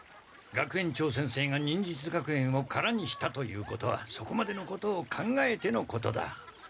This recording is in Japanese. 学園長先生が忍術学園を空にしたということはそこまでのことを考えてのことだ。